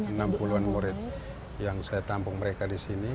enam puluhan murid yang saya tampung mereka di sini